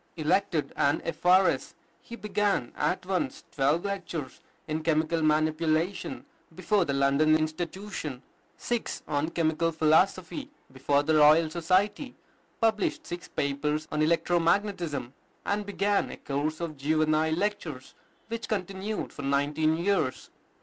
Elected an F.R.S., he began at once twelve lectures in Chemical Manipulation before the London Institution, six on Chemical Philosophy before the Royal Society, published six papers on electromagnetism, and began a course of juvenile lectures which continued for nineteen years.